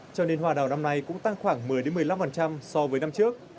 cho nên hoa đào năm nay cũng tăng khoảng một mươi một mươi năm so với năm trước